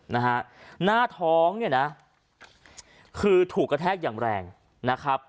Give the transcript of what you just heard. นะฮะหน้าท้องเนี่ยนะคือถูกกระแทกอย่างแรงนะครับ